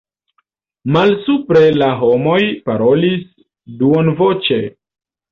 Malsupre la homoj parolis duonvoĉe.